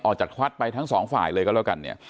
ออกจากวัดไปทั้งสองฝ่ายเลยก็แล้วกันเนี่ย